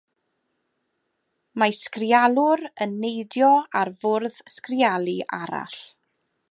Mae sgrialwr yn neidio ar fwrdd sgrialu arall.